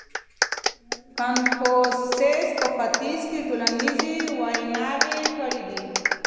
کنفوسوس په ختیځ کي ټولنیزې ویناوې کړې دي.